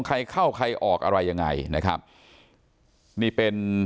ใครเข้าใครออกอะไรยังไงนะครับนี่เป็น